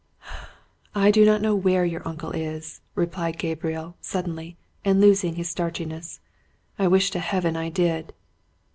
"I do not know where your uncle is," replied Gabriel suddenly, and losing his starchiness. "I wish to Heaven I did!"